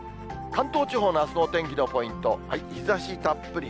関東地方のあすのお天気のポイント、日ざしたっぷり。